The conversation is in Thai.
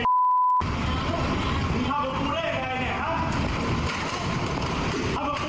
แม่แม่แม่กูเป็นใครแล้วมึงมาทำวิเคย์ท์กูไว้